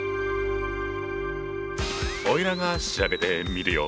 おいらが調べてみるよ。